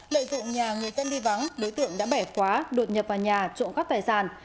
lợi dụng nhà người dân đi vắng đối tượng đã bẻ khóa đột nhập vào nhà trộm cắp tài sản